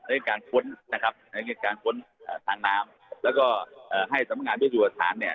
เรื่องการพ้นนะครับเรื่องการพ้นอ่าสารน้ำแล้วก็อ่าให้สำงานด้วยสุขฐานเนี้ย